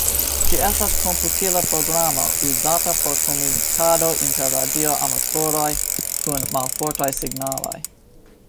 Ĝi estas komputila programo uzata por komunikado inter radio-amatoroj kun malfortaj signaloj.